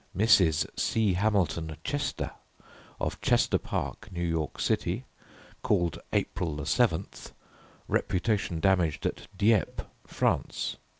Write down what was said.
"Mrs. C. Hamilton Chester, of Chester Park, New York City. Called April 7th. Reputation damaged at Dieppe, France.